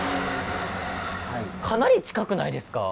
かなり近くないですか？